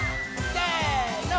せの。